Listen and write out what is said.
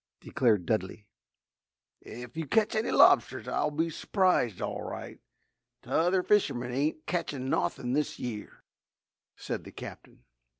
declared Dudley. "Ef you ketch any lobsters I'll be s'prised, all right. T'other fishermen ain't ketchin' nawthin' this year," said the Captain.